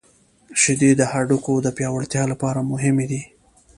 • شیدې د هډوکو د پیاوړتیا لپاره مهمې دي.